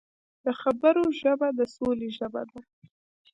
د خبرو ژبه د سولې ژبه ده